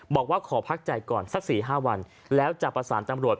บอกว่าขอพักใจก่อนสัก๔๕วันแล้วจะประสานตำรวจ